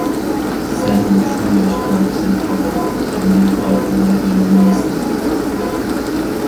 سەن مۇشۇ ياشقا كېلىپ قالدىڭ، ئەمدى ئارقىغا يانالمايسەن.